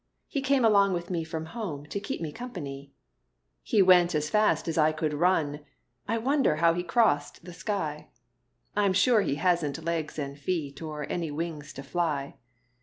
He came along with me from home To keep me company. He went as fast as I could run; I wonder how he crossed the sky? I'm sure he hasn't legs and feet Or any wings to fly.